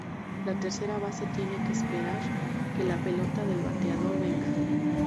La tercera base tiene que esperar que la pelota del bateador venga.